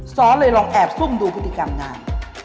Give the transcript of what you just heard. ซ้อเลยลองแอบซุ่มดูพฤติกรรมงาน